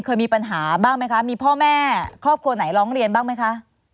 เคยมีปัญหาบ้างไหมคะมีพ่อแม่ครอบครัวไหนร้องเรียนบ้างไหมคะ